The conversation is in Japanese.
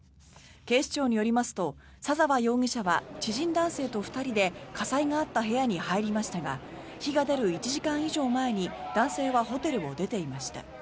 警視庁によりますと左澤容疑者は知人男性と２人で火災があった部屋に入りましたが火が出る１時間以上前に男性はホテルを出ていました。